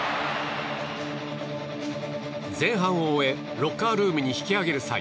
前半を終えロッカールームに引き揚げる際